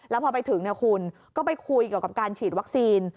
แล้วพอไปถึงคุณก็ไปคุยเกี่ยวกับการฉีดวัคซีน